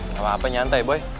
gak apa apa nyantai boy